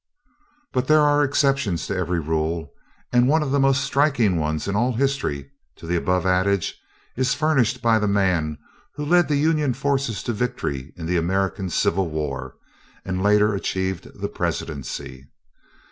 But there are exceptions to every rule, and one of the most striking ones in all history, to the above adage, is furnished by the man who led the Union forces to victory in the American Civil War, and later achieved the presidency.